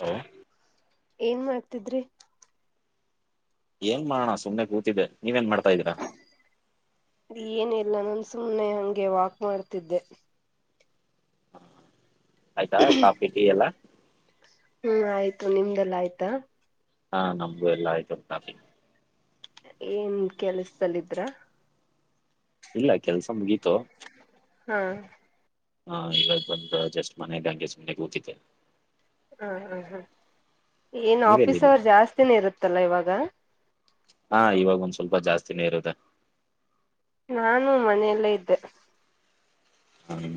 Hello ಏನ್ ಮಾಡ್ತಿದ್ರಿ ಏನ್ ಮಾಡೋಣ ಸುಮ್ನೆ ಕೂತಿದ್ದ ನೀವ ಏನ್ ಮಾಡ್ತಾ ಇದೀರಾ ಏನಿಲ್ಲ ನಾನು ಸುಮ್ಮನೆ ಹಂಗೆ ವಾಕ್ ಮಾಡ್ತಿದ್ದೆ ಆಯ್ತಾ ಕಾಫಿ ಟೀ ಎಲ್ಲ ಹ್ಮ್ ಆಯ್ತು ನಿಮ್ದೆಲ್ಲ ಆಯ್ತಾ ಹಾ ನಮಗು ಎಲ್ಲ ಆಯ್ತು ಕಾಫಿ ಏನ್ ಕೆಲ್ಸದಲ್ಲಿದ್ರ ಇಲ್ಲ ಕೆಲ್ಸ ಮುಗೀತು ಹಾ ಹಾ ಇವಾಗ ಬಂದ ಜಸ್ಟ್ ಮನೆ ಅಂಗೆ ಸುಮ್ನೆ ಕೂತಿದ್ದ ಹಾ ಹಾ ಹಾ ಏನ್ ಆಫೀಸ್ ನೀವೆಲ್ಲಿದ್ರಿ ಅವರ್ ಜಾಸ್ತಿನ ಇರುತ್ತಲ್ಲ ಇವಾಗ ಹಾ ಇವಾಗ ಒಂದ್ ಸ್ವಲ್ಪ ಜಾಸ್ತಿನೆ ಇರುತ್ತೆ. ನಾನು ಮನೆಯಲ್ಲೇ ಇದ್ದೆ. ಹ್ಮ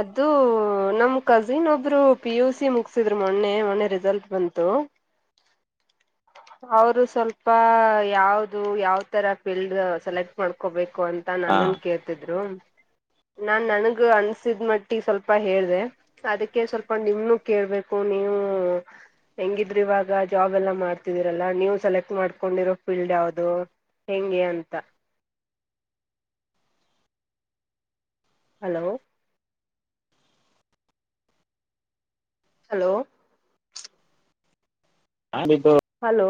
ಅದುೂ ನಮ ಕಜಿನ್ ಒಬ್ರು ಪಿ ಯು ಸಿ ಮುಗಸಿದ್ರು ಮೊನ್ನೆ ಮೊನ್ನೆ ರಿಸಲ್ಟ್ ಬಂತು ಅವರು ಸ್ವಲ್ಪ ಯಾವ್ದ ಯಾವ ತರ ಫೀಲ್ಡ್ ಸೆಲೆಕ್ಟ್ ಮಾಡ್ಕೋಬೇಕು ಅಂ ಹಾ ನನ್ನನ್ ಕೇಳ್ತಿದ್ರು ನಾನ್ ನನ್ಗ ಅನ್ಸಿದ ಮಟ್ಟಿ ಸ್ವಲ್ಪ ಹೇಳ್ದೆ ಅದಕ್ಕೆ ಸ್ವಲ್ಪ ನಿಮ್ ಕೇಳ್ಬೇಕು ನೀವು ಹೆಂಗಿದ್ರ ಇವಾಗ ಜಾಬ್ ಎಲ್ಲ ಮಾಡ್ ರಲ್ಲ ನೀವು ಸೆಲೆಕ್ಟ್ ಮಾಡ್ಕೊಂಡಿರೋ ಫೀಲ್ಡ್ ಯಾವದು ಹೆಂಗೆ ಅಂತ ಹಲೋ ಹಲೋ ಹಾನಿದ್ದು ಹಲೋ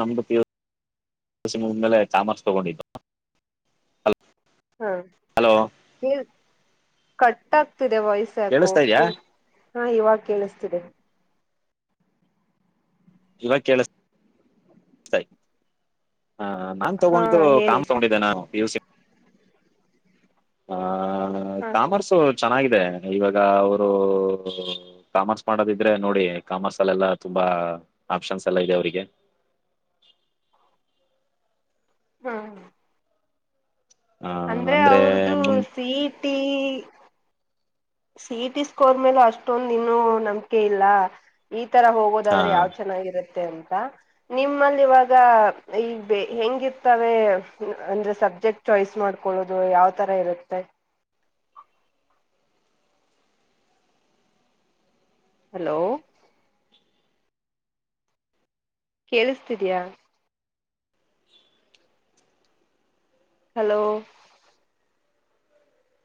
ನಮ್ದು ಪಿಯುಸಿ ಮುಗುದ್ಮೇಲೆ ತಾಮರ್ಸ್ ತಗೊಂಡಿದ್ದು ಹಾ ಹಲೋ ಕೇಳ್ ಕಟ್ ಆಗ್ತಿದೆ ವಾಯ್ಸಾಕೊ ಕೇಳಿಸ್ತಾ ಇದ್ಯಾ ಕ ಹಾ ಇವಾಗ ಕೇಳಿಸ್ತೀದೆ ಇವಾಗ್ ಕೇಳ್ಸ್ ತೈ ಹ ಹ ನಾನ್ ಹಾ ತಗೊಂಡ್ದು ಹೇಳಿ ಕಾಮ್ ತಗೊಂಡಿದ್ದೆ ನಾನು ಪುಯುಸಿ ಆ ಹಾ ಹಾ ಕಾಮರ್ಸು ಚೆನ್ನಾಗಿದೆ ಇವಾಗ ಅವ್ರು ಕಾಮರ್ಸ್ ಮಾಡೋದಿದ್ರೆ ನೋಡಿ ಕಾಮರ್ಸ್ ಅಲ್ಲೆಲ್ಲಾ ತುಂಬಾ ಆಪ್ಷನ್ಸ್ ಎಲ್ಲಾ ಇದೆ ಅವ್ರಿಗೆ ಹ ಹ ಅಂದ್ರೆ ಅಂದರೆ ಅವ್ರದೂ ಮುನ್ CET C E T score ಮೇಲೆ ಅಷ್ಟೊಂದ್ ಇನ್ನೂ ನಂಬಿಕೆ ಇಲ್ಲ ಈ ತರ ಹೋಗೋದಾದ್ರೆ ಹಾಂ ಯಾವ್ ಚೆನ್ನಾಗಿರುತ್ತೆ ಅಂತ ನಿಮ್ಮಲ್ಲಿ ಇವಾಗ ಈಗ್ಬೆ ಹೆಂಗಿರ್ತವೆ ಅಂದ್ರೆ ಸಬ್ಜೆಕ್ಟ್ ಚಯ್ಸ್ ಮಾಡ್ಕೊಳ್ಳೋದು ಯಾವ್ ತರ ಇರುತ್ತೆ ಹಲೋ ಕೇಳಿಸ್ತಿದಿಯ ಹಲೋ